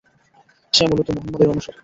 সে মূলত মুহাম্মাদের অনুসারী।